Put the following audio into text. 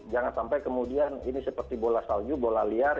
jangan sampai kemudian ini seperti bola salju bola liar